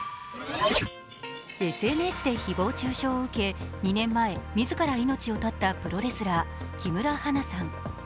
ＳＮＳで誹謗中傷を受け、２年前、自ら命を絶ったプロレスラー・木村花さん。